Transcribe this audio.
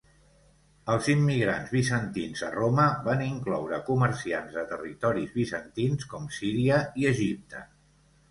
Els immigrants bizantins a Roma van incloure comerciants de territoris bizantins com Síria i Egipte.